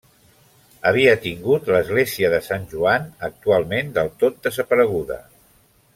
Havia tingut l'església de Sant Joan, actualment del tot desapareguda.